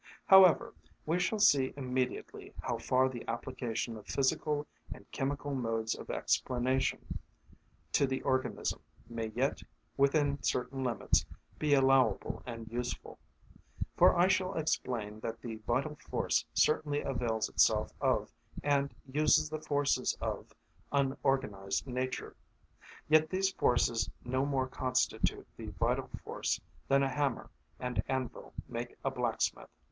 However, we shall see immediately how far the application of physical and chemical modes of explanation to the organism may yet, within certain limits, be allowable and useful; for I shall explain that the vital force certainly avails itself of and uses the forces of unorganised nature; yet these forces no more constitute the vital force than a hammer and anvil make a blacksmith.